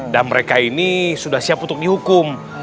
dan mereka ini sudah siap untuk dihukum